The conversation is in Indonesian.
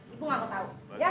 ibu gak mau tau ya